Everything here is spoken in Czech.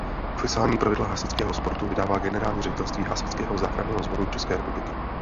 Oficiální pravidla hasičského sportu vydává generální ředitelství Hasičského záchranného sboru České republiky.